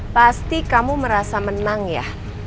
pasti kamu merasa menang ya